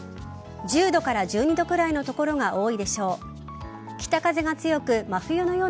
１０度から１２度ぐらいの所が多いでしょう。